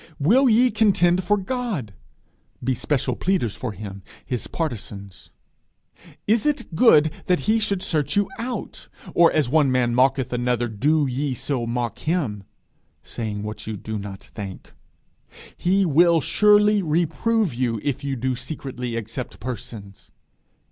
_ 'Will ye contend for God?' be special pleaders for him, his partisains? 'Is it good that He should search you out? or as one man mocketh another, do ye so mock Him?' saying what you do not think? 'He will surely reprove you, if ye do secretly accept persons!'